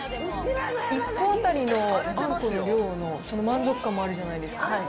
１個当たりのあんこの量のその満足感もあるじゃないですか。